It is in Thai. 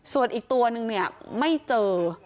ส่วนอีกตัวนึงเนี่ยไม่เจอ